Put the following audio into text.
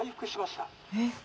えっ。